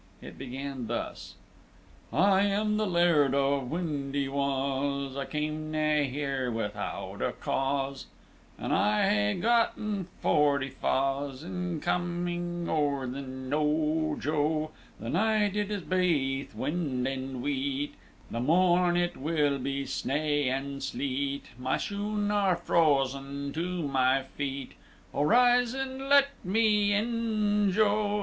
It began thus: "I am the Laird of Windy wa's, I cam nae here without a cause, An' I hae gotten forty fa's In coming o'er the knowe, joe. The night it is baith wind and weet; The morn it will be snaw and sleet; My shoon are frozen to my feet; O, rise an' let me in, joe!